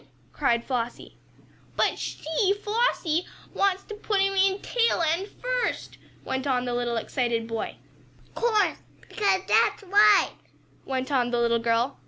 cried Flossie. "But she she Flossie wants to put him in, tail end first!" went on the excited little boy. "Course 'cause that's right!" went on the little girl.